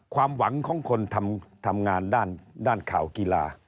ความหวังของคนทำงานด้านข่าวกีฬา